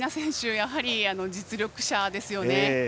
やはり実力者ですよね。